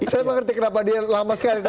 saya mengerti kenapa dia lama sekali